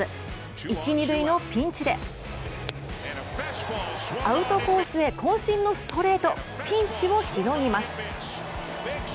一・二塁のピンチでアウトコースへこん身のストレート、ピンチをしのぎます。